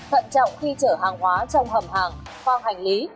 thận trọng khi chở hàng hóa trong hầm hàng khoang hành lý